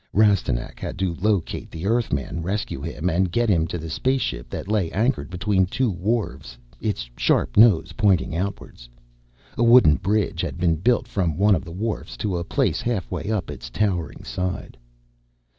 Rastignac had to locate the Earthman, rescue him, and get him to the spaceship that lay anchored between two wharfs, its sharp nose pointing outwards. A wooden bridge had been built from one of the wharfs to a place halfway up its towering side.